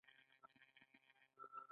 هغه د يوه بدبخته مجرم پر ځای ستر ليکوال شو.